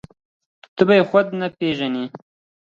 ته به يې خود نه پېژنې.